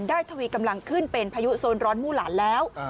ทวีกำลังขึ้นเป็นพายุโซนร้อนมู่หลานแล้ว